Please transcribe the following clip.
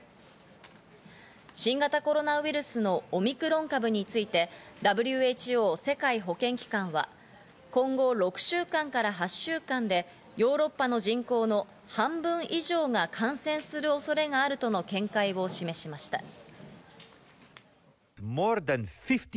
新型コロナウイルスのオミクロン株について、ＷＨＯ＝世界保健機関は、今後６週間から８週間でヨーロッパの人口の半分以上が感染する恐れがあるとの見解を示しました。